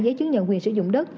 giấy chứng nhận quyền sử dụng đất